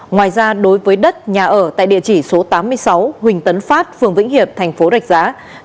ngoài ra đối với đất nhà ở tại địa chỉ số tám mươi sáu huỳnh tấn phát phường vĩnh hiệp thành phố rạch giá